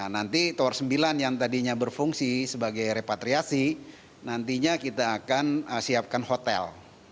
nanti tower sembilan yang tadinya berfungsi sebagai repatriasi nantinya kita akan siapkan hotel